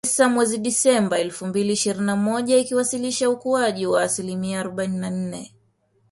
Tisa mwezi Disemba elfu mbili ishirini na moja, ikiwasilisha ukuaji wa asilimia arobaini na moja